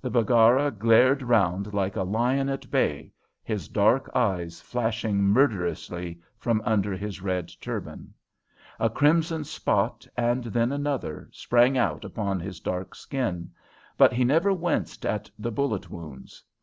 The Baggara glared round like a lion at bay, his dark eyes flashing murderously from under his red turban. A crimson spot, and then another, sprang out upon his dark skin, but he never winced at the bullet wounds.